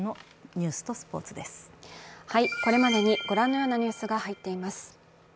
これまでにご覧のようなニュースが入っています。